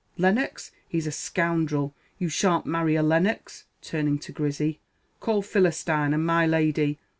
Lennox! he's a scoundrel! You shan't marry a Lennox!" Turning to Grizzy, "Call Philistine, and my Lady."